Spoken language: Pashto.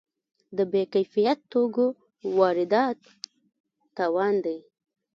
د بې کیفیت توکو واردات تاوان دی.